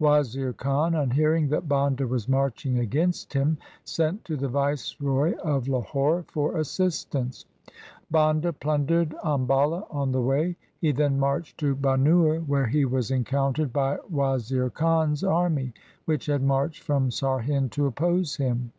Wazir Khan on hearing that Banda was marching against him sent to the viceroy of Lahore for assist ance. Banda plundered Ambala on the way. He then marched to Banur where he was encountered 248 THE SIKH RELIGION by Wazir Khan's array, which had marched from Sarhind to oppose him.